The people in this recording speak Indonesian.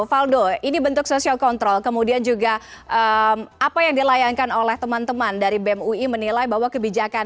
valdo ini bentuk social control kemudian juga apa yang dilayangkan oleh teman teman dari bem ui menilai bahwa kebijakan